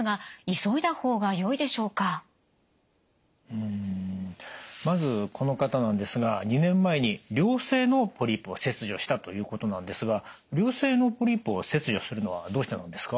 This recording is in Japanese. うんまずこの方なんですが２年前に良性のポリープを切除したということなんですが良性のポリープを切除するのはどうしてなんですか？